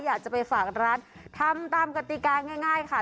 อยากจะไปฝากร้านทำตามกติกาง่ายค่ะ